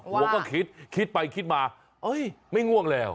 หัวก็คิดคิดไปคิดมาไม่ง่วงแล้ว